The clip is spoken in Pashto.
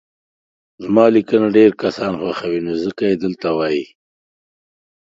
زما ليکنه ډير کسان خوښوي نو ځکه يي دلته وايي